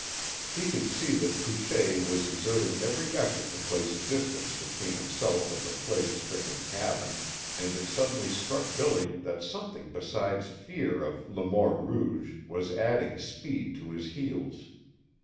He could see that Couchée was exerting every effort to place distance between himself and the plague stricken cabin, and it suddenly struck Billy that something besides fear of le mort rouge was adding speed to his heels.